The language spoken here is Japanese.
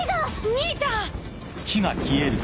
兄ちゃん！